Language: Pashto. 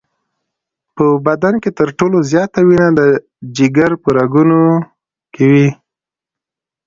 په بدن کې تر ټولو زیاته وینه د جگر په رګونو کې وي.